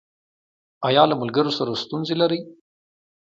ایا له ملګرو سره ستونزې لرئ؟